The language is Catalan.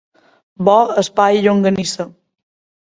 Bo és pa i llonganissa.